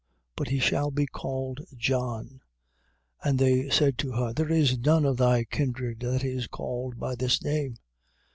But he shall be called John. 1:61. And they said to her: There is none of thy kindred that is called by this name.